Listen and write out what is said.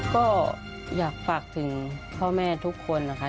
ก็อยากฝากถึงพ่อแม่ทุกคนนะคะ